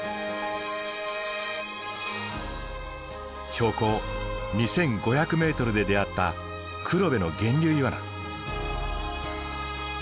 標高２，５００ｍで出会った黒部の源流イワナ。